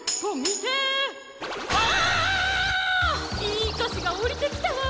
いいかしがおりてきたわ！